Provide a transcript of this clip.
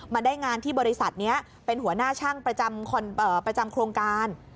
ได้งานที่บริษัทนี้เป็นหัวหน้าช่างประจำโครงการ